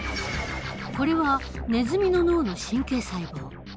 これはネズミの脳の神経細胞。